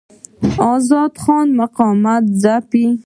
د آزاد خان مقاومت ځپلی.